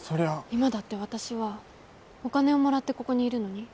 今だって私はお金をもらってここにいるのに？